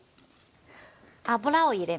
油を入れます。